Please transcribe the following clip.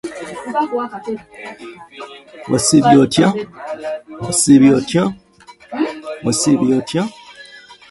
Geographic mobility allows for remittances from distant family members back to support local needs.